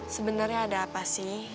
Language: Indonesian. sebenarnya ada apa sih